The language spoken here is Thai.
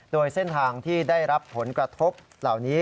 โดยเส้นทางที่ได้รับผลกระทบเหล่านี้